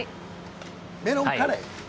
メロンカレー？